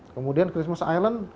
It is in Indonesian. kemudian christmas island